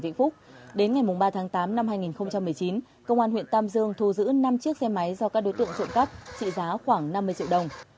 tỉnh vĩnh phúc đến ngày ba tháng tám năm hai nghìn một mươi chín công an huyện tam dương thu giữ năm chiếc xe máy do các đối tượng trộm cắp trị giá khoảng năm mươi triệu đồng